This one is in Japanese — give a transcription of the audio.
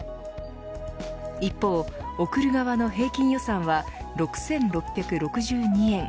一方、贈る側の平均予算は６６６２円。